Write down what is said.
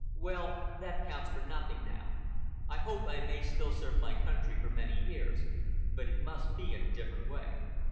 "Well, that counts for nothing now. I hope I may still serve my country for many years, but it must be in a different way."